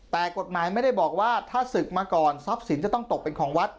แต่กฎหมายไม่ได้บอกว่าถ้าศึกมาก่อนทรัพย์สินจะต้องตกเป็นของวัด